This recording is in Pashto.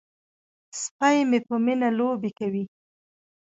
سپی مې په مینه لوبې کوي.